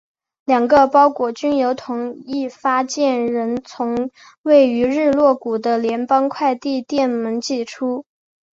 两个包裹均由同一发件人从位于日落谷的联邦快递店面寄出。